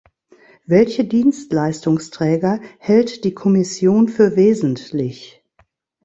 Welche Dienstleistungsträger hält die Kommission für wesentlich?